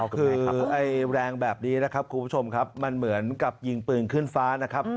ใช่ครับแรงแบบนี้นะครับคุณผู้ชมครับมันเหมือนกับยิงปืนขึ้นฟ้านะครับ